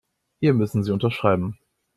Hier müssen Sie unterschreiben.